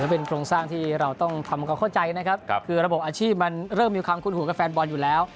เป็นโครงสร้างที่เราต้องทำความเข้าใจนะครับคือระบบอาชีพมันเริ่มมีความคุ้นหูกับแฟนบอลอยู่แล้ว